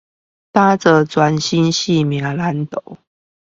打造全新生命藍圖